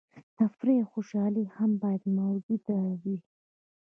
تفریح او خوشحالي هم باید موجوده وي.